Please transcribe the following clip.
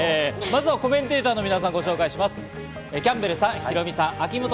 まずはコメンテーターの皆さんをご紹介します。